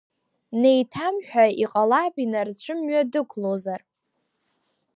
Неиҭамҳәа, иҟалап инарцәы мҩа дықәлозар!